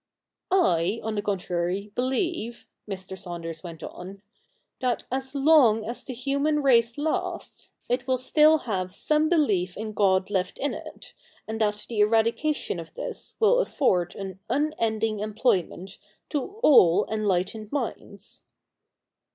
' I, on the contrary, believe,' Mr. Saunders went on, ' that as long as the human race lasts, it will still have some belief in God left in it, and that the eradication of this will afford an unending employment to all en lightened minds.'